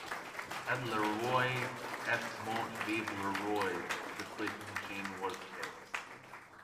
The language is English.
Add Le Roi Est Mort Vive Le Roi to The Sleep Machine Waterscapes